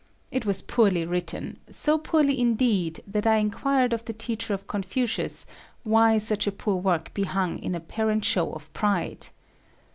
It was poorly written; so poorly indeed that I enquired of the teacher of Confucius why such a poor work be hung in apparent show of pride.